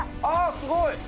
ああすごい！